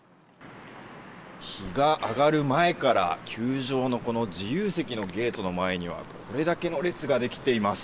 日が上がる前から球場のこの自由席のゲートの前にはこれだけの列ができています。